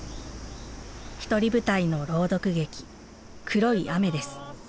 独り舞台の朗読劇「黒い雨」です。